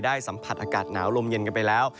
สัมผัสอากาศหนาวลมเย็นกันไปแล้ว